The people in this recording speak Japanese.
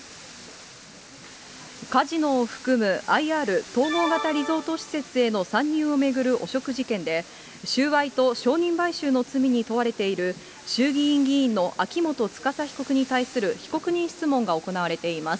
カジノを含むＩＲ・統合型リゾート施設への参入を巡る汚職事件で、収賄と証人買収の罪に問われている衆議院議員の秋元司被告に対する被告人質問が行われています。